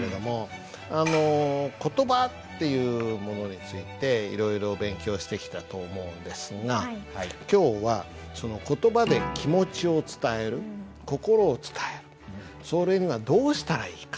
言葉っていうものについていろいろ勉強してきたと思うんですが今日は言葉で気持ちを伝える心を伝えるそれにはどうしたらいいか？